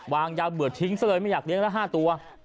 วางยาเบื่อทิ้งซะเลยไม่อยากเลี้ยละ๕ตัว